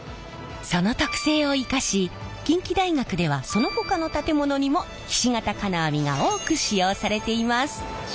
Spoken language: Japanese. その特性を生かし近畿大学ではそのほかの建物にもひし形金網が多く使用されています。